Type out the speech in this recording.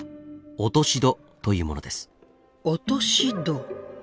落とし戸？